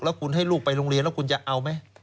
แล้วคุณให้ลูกไปโรงเรียนแล้วคุณจะเอาไหม